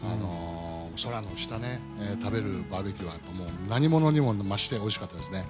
空の下で食べるバーベキューは何物にも増しておいしかったですね。